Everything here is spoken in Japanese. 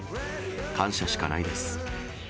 感謝しかないです。